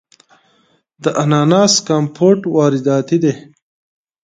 د اناناس کمپوټ وارداتی دی.